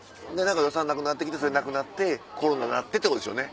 予算なくなって来てそれなくなってコロナになってってことですよね。